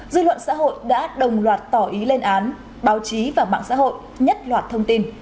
dư luận xã hội đã đồng loạt tỏ ý lên án báo chí và mạng xã hội nhất loạt thông tin